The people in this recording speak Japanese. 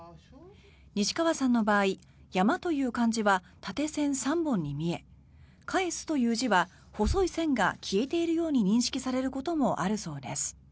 西川さんの場合「山」という漢字は縦線３本に見え「返」という字は細い線が消えているように認識されることもあるそうです。